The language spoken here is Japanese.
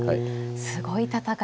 すごい戦い